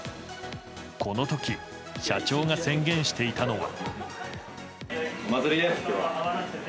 この時社長が宣言していたのは。